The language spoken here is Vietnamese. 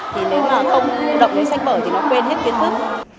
thì nếu mà không động đến sách bởi thì nó quên hết kiến thức